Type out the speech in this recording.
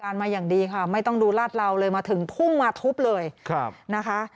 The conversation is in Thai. มาอย่างดีค่ะไม่ต้องดูลาดเหลาเลยมาถึงพุ่งมาทุบเลยนะคะ